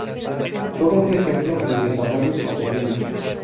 Todo un ejemplo de desarrollo sostenible.